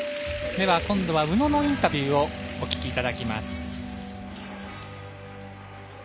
今度は宇野のインタビューをお聞きいただきます。